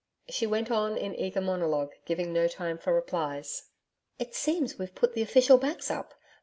She went on in eager monologue, giving no time for replies. 'It seems we've put the official backs up.